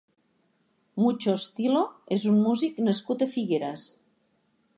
Mucho Stilo és un músic nascut a Figueres.